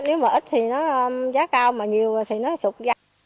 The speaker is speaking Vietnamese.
nếu mà ít thì nó giá cao mà nhiều thì nó sụp ra